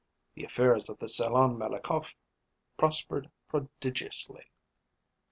The affairs of the Salon Malakoff prospered prodigiously.